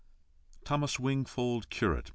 THOMAS WINGFOLD, CURATE.